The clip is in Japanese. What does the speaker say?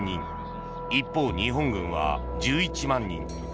一方、日本軍は１１万人。